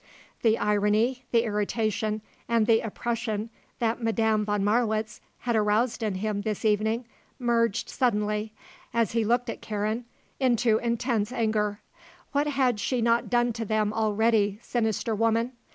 The irony, the irritation and the oppression that Madame von Marwitz had aroused in him this evening merged suddenly, as he looked at Karen into intense anger. What had she not done to them already, sinister woman?